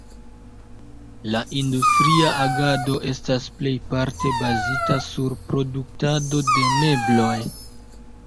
La industria agado estas plejparte bazita sur produktado de mebloj.